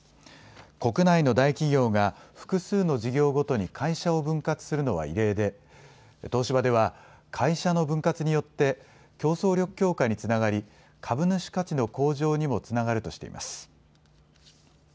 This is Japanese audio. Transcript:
国内の大企業が複数の事業ごとに会社を分割するのは異例で東芝では会社の分割によって競争力強化につながり株主価値の向上にもつながるとしています。